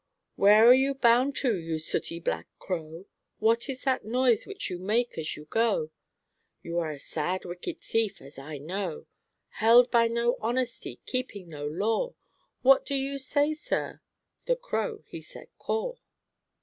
"Where are you bound to, you sooty black crow? What is that noise which you make as you go? You are a sad wicked thief, as I know, Held by no honesty, keeping no law What do you say, sir?" The crow he said "Caw."